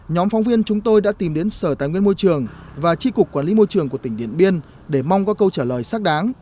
nhóm phóng viên chúng tôi đã tìm đến sở tài nguyên môi trường và tri cục quản lý môi trường của tỉnh điện biên để mong có câu trả lời xác đáng